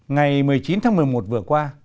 ngày một mươi chín tháng một mươi một vừa qua